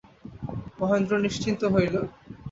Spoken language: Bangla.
মহেন্দ্র নিশ্চিন্ত হইল।